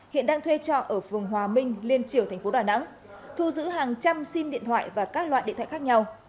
hiện đang thuê trọ ở phường hòa minh liên triều thành phố đà nẵng thu giữ hàng trăm sim điện thoại và các loại điện thoại khác nhau